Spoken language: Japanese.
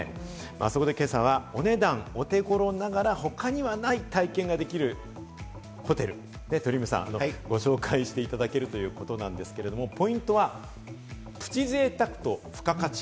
そこで今朝はお値段、お手頃ながら他にはない体験ができるホテル、鳥海さん、ご紹介しいしていただけるということなんですけれども、ポイントはプチ贅沢と付加価値。